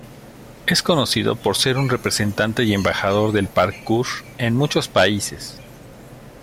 Es conocido por ser un representante y embajador del parkour en muchos países.